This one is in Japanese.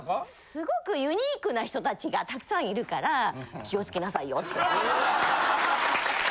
すごくユニークな人達がたくさんいるから気をつけなさいよって。